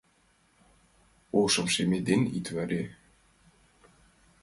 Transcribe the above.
Ошым шеме ден ит варе!